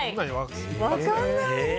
分からない。